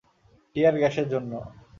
টিয়ার গ্যাসের জন্য।